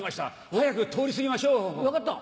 早く通り過ぎましょう！分かった。